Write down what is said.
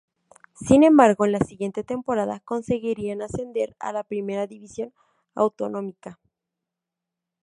Sin embargo, en la siguiente temporada conseguirían ascender a la Primera División Autonómica.